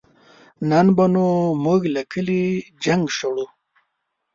نن به نو مونږ له کلي جنګ شړو